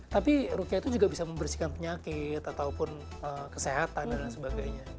tapi rukya itu juga bisa membersihkan penyakit ataupun kesehatan dan lain sebagainya